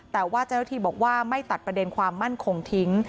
แต่ว่าเจ้าหน้าที่บอกว่าไม่ตัดประเด็นความมั่นคงทิ้ง